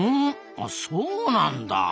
あそうなんだ。